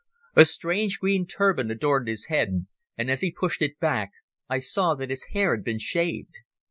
A strange green turban adorned his head, and as he pushed it back I saw that his hair had been shaved.